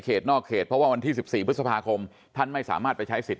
นอกเขตเพราะว่าวันที่๑๔พฤษภาคมท่านไม่สามารถไปใช้สิทธิ